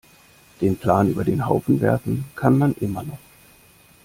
Den Plan über den Haufen werfen kann man immer noch.